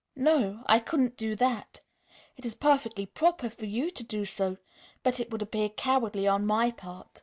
"No; I couldn't do that. It is perfectly proper for you to do so, but it would appear cowardly on my part.